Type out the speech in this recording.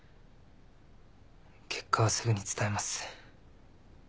結果はすぐに伝えます。